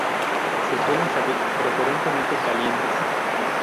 Se suelen servir preferentemente calientes.